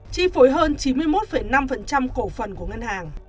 chi phối hơn chín mươi một năm cổ phần của ngân hàng